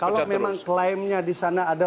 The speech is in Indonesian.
kalau memang klaimnya di sana ada